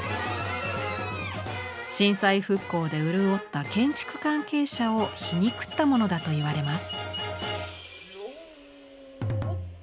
震災復興で潤った建築関係者を皮肉ったものだといわれます。